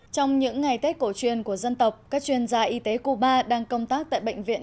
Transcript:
trong những ngày tết cổ truyền của dân tộc các chuyên gia y tế cuba đang công tác tại bệnh viện